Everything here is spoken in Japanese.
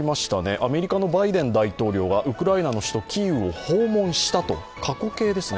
アメリカのバイデン大統領はウクライナの首都キーウを訪問したと、過去形ですね。